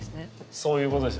そういうことですよね。